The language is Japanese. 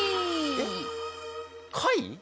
えっ貝？